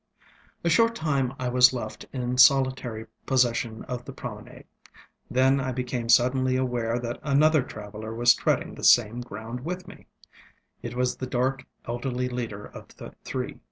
A short time I was left in solitary possession of the promenade; then I became suddenly aware that another traveller was treading the same ground with meŌĆöit was the dark elderly leader of the three.